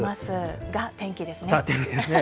が、天気ですね。